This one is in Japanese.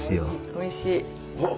おいしい。